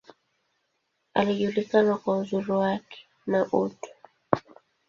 Alijulikana kwa uzuri wake, na utu.